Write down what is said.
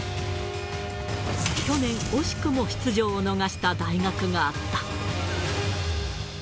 去年、惜しくも出場を逃した大学があった。